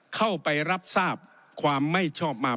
เข้าไปรับทราบความไม่ชอบมา